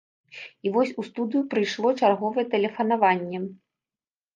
І вось у студыю прыйшло чарговае тэлефанаванне.